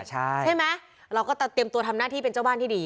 ใช่ไหมเราก็จะเตรียมตัวทำหน้าที่เป็นเจ้าบ้านที่ดี